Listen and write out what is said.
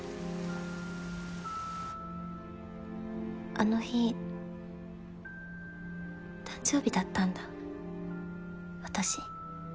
あの日誕生日だったんだ私。